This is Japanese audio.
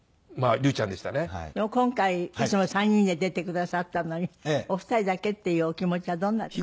今回いつも３人で出てくださったのにお二人だけっていうお気持ちはどんなです？